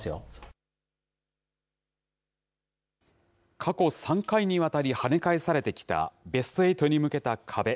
過去３回にわたりはね返されてきたベスト８に向けた壁。